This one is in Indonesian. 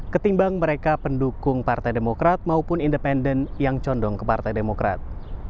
ketimbang mereka pendukung partai demokrat maupun independen yang condong ke partai demokrat